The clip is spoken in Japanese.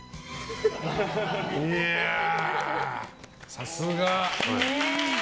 さすが。